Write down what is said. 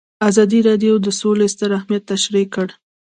ازادي راډیو د سوله ستر اهميت تشریح کړی.